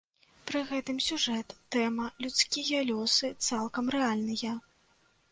Пры гэтым сюжэт, тэма, людскія лёсы цалкам рэальныя.